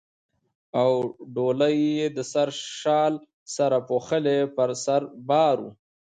او ډولۍ یې د سره شال سره پوښلې پر سر بار وه.